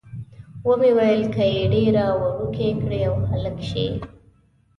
ومې ویل، که یې ډېره وړوکې کړي او هلک شي.